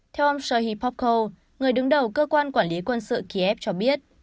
theo ông shohi popko người đứng đầu cơ quan quản lý quân sự kiev cho biết